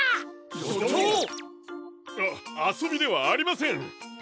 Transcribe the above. しょちょう！ああそびではありません。